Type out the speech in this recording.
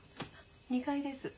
２階です。